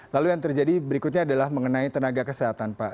lalu yang terjadi berikutnya adalah mengenai tenaga kesehatan pak